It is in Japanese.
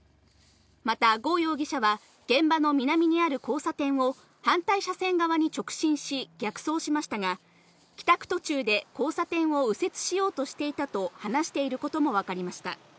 また呉容疑者は現場の南にある交差点を、反対車線側に直進し、逆走しましたが、帰宅途中で交差点を右折しようとしていたと話していることも分かりました。